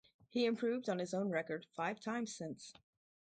He improved on his own record five times since.